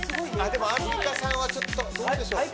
でもアンミカさんはちょっとどうでしょう？